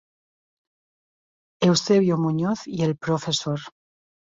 Eusebio Muñoz y el Prof.